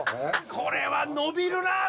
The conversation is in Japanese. これは伸びるなあ